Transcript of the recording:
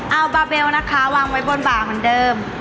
เอาบาเบลนะคะวางไว้บนบ่าเหมือนเดิม